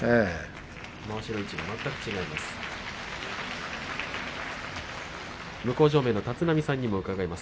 腰の位置が全く違います。